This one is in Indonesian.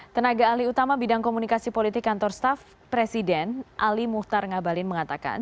tenaga ahli utama bidang komunikasi politik kantor staff presiden ali muhtar ngabalin mengatakan